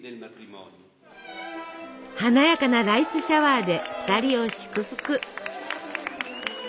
華やかなライスシャワーで２人を祝福！